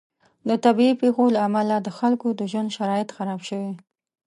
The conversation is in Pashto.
د طبعي پیښو له امله د خلکو د ژوند شرایط خراب شوي.